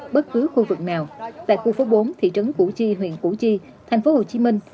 bất cứ khu vực nào tại khu phố bốn thị trấn củ chi huyện củ chi thành phố hồ chí minh